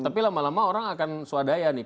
tapi lama lama orang akan swadaya nih